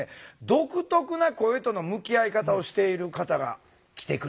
独特な声との向き合い方をしている方が来てくれています。